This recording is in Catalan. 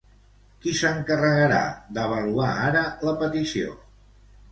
Qui s'encarregarà d'avaluar ara la petició?